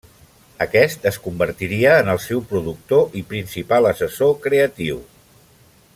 Aquest es convertiria en el seu productor i principal assessor creatiu.